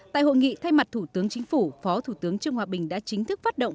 tại hội nghị thay mặt thủ tướng chính phủ phó thủ tướng trương hòa bình đã chính thức phát động